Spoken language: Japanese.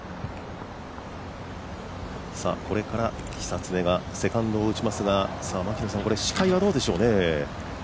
これから久常がセカンドを打ちますが視界はどうでしょうね。